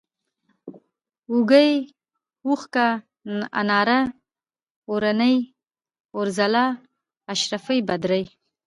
اوږۍ ، اوښکه ، اناره ، اورنۍ ، اورځلا ، اشرفۍ ، بدرۍ